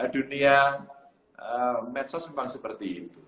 dunia medsos memang seperti itu